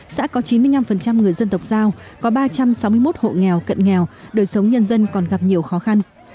xã có chín mươi năm người dân tộc giao có ba trăm sáu mươi một hộ nghèo cận nghèo đời sống nhân dân còn gặp nhiều khó khăn